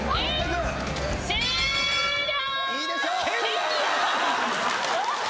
終了。